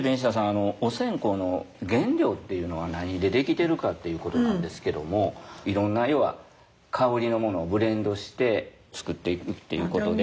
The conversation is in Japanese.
あのお線香の原料っていうのは何で出来てるかっていうことなんですけどもいろんな要は香りのものをブレンドして作っていくっていうことで。